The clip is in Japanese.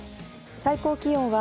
最高気温は